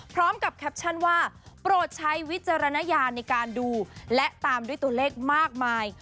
แคปชั่นว่าโปรดใช้วิจารณญาณในการดูและตามด้วยตัวเลขมากมาย